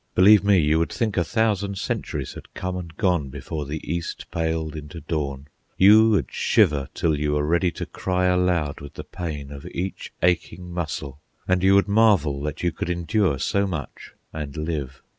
Believe me, you would think a thousand centuries had come and gone before the east paled into dawn; you would shiver till you were ready to cry aloud with the pain of each aching muscle; and you would marvel that you could endure so much and live.